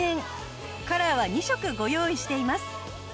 カラーは２色ご用意しています。